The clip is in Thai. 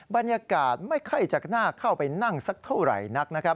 บรรยากาศไม่ค่อยจะน่าเข้าไปนั่งสักเท่าไหร่นักนะครับ